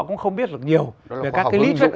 cũng không biết được nhiều về các cái lý thức